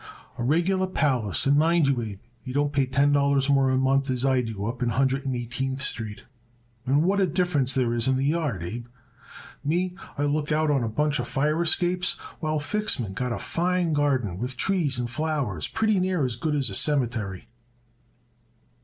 "A regular palace, and mind you, Abe, he don't pay ten dollars more a month as I do up in a Hundred and Eighteenth Street. And what a difference there is in the yard, Abe. Me, I look out on a bunch of fire escapes, while Fixman got a fine garden with trees and flowers pretty near as good as a cemetery."